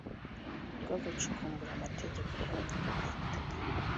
rwo guncukumbura amateka y’abanyarwanda